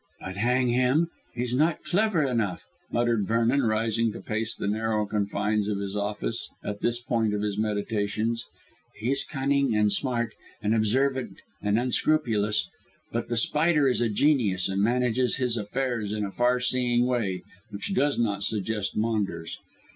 "But, hang him, he's not clever enough," muttered Vernon, rising to pace the narrow confines of his office at this point of his meditations. "He's cunning and smart and observant and unscrupulous. But The Spider is a genius and manages his affairs in a far seeing way, which does not suggest Maunders.